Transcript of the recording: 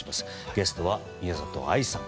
ゲストは宮里藍さん。